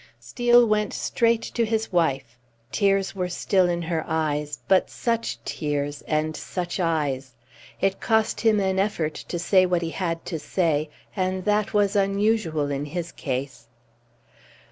Steel went straight to his wife. Tears were still in her eyes, but such tears, and such eyes! It cost him an effort to say what he had to say, and that was unusual in his case.